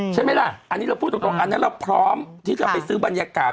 ใช่ไหมล่ะอันนี้เราพูดตรงอันนั้นเราพร้อมที่จะไปซื้อบรรยากาศ